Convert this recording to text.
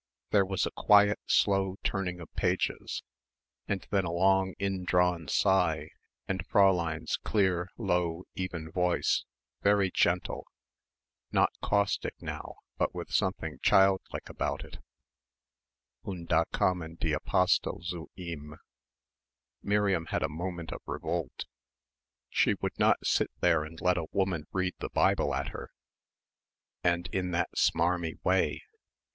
There was a quiet, slow turning of pages, and then a long indrawn sigh and Fräulein's clear, low, even voice, very gentle, not caustic now but with something child like about it, "Und da kamen die Apostel zu Ihm...." Miriam had a moment of revolt. She would not sit there and let a woman read the Bible at her ... and in that "smarmy" way....